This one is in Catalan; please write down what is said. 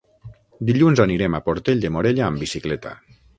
Dilluns anirem a Portell de Morella amb bicicleta.